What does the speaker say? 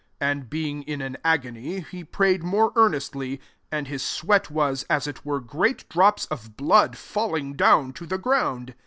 44 Andf being in an agony j he firay* ed more earnestly; and his sweat was as it were great drops of blood falling down to theground.